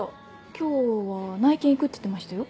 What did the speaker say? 今日は内見行くって言ってましたよ。